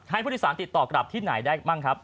ผู้โดยสารติดต่อกลับที่ไหนได้บ้างครับ